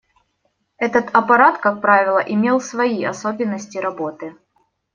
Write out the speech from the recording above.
Этот аппарат, как правило, имел свои особенности работы.